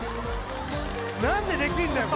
何でできんのよ